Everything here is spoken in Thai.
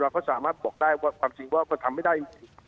ก็สามารถบอกได้ว่าความจริงว่าก็ทำไม่ได้จริง